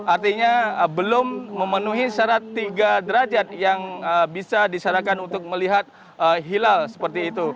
artinya belum memenuhi syarat tiga derajat yang bisa disarankan untuk melihat hilal seperti itu